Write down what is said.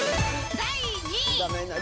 第２位。